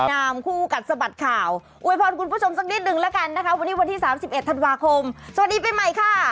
คู่กัดสะบัดข่าวอวยพรคุณผู้ชมสักนิดนึงแล้วกันนะคะวันนี้วันที่๓๑ธันวาคมสวัสดีปีใหม่ค่ะ